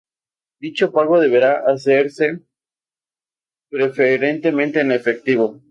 Dicho pago deberá hacerse preferentemente en efectivo.